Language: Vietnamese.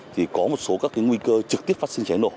thì có một số các nguy cơ trực tiếp phát sinh cháy nổ